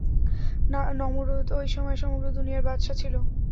নমরূদ ঐ সময় সমগ্র দুনিয়ার বাদশাহ ছিল।